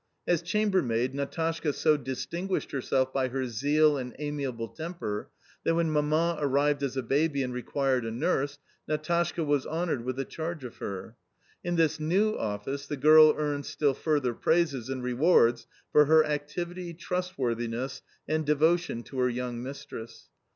As chamber maid, Natashka so distinguished herself by her zeal and amiable temper that when Mamma arrived as a baby and required a nurse Natashka was honoured with the charge of her. In this new office the girl earned still further praises and rewards for her activity, trustworthiness, and devotion to her young mistress.